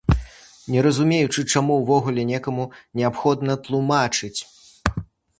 Не разумею, чаму гэта ўвогуле некаму неабходна тлумачыць!